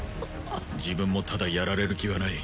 自分もただやられる気はない